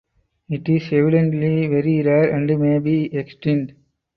It is evidently very rare and may be extinct.